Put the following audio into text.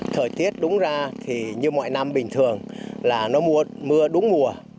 thời tiết đúng ra thì như mọi năm bình thường là nó mưa đúng mùa